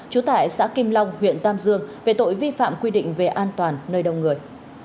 trú tại xã kim long huyện tam dương về tội vi phạm quy định về an toàn nơi đông người